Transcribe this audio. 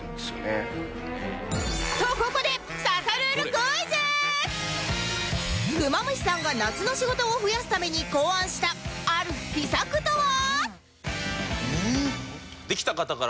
クマムシさんが夏の仕事を増やすために考案したある秘策とは？